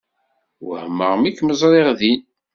Wehmeɣ mi kem-ẓriɣ din.